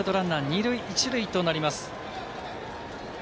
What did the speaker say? ２塁１塁となります。